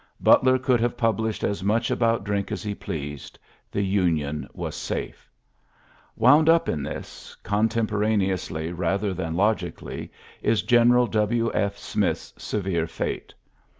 Butler could have published as much about drink as he pleased. The Union mm safe. Wound up in this, contempcnane* ously rather than logically, is General W. F. Smith's severe fate.